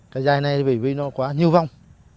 cái dài này vì nó quá nhiều vòng